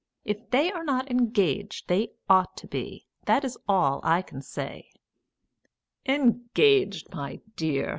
If they are not engaged they ought to be that's all I can say." "Engaged, my dear!